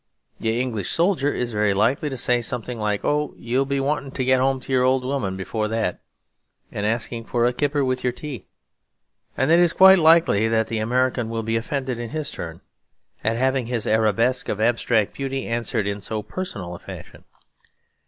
The English soldier is very likely to say something like, 'Oh, you'll be wanting to get home to your old woman before that, and asking for a kipper with your tea.' And it is quite likely that the American will be offended in his turn at having his arabesque of abstract beauty answered in so personal a fashion.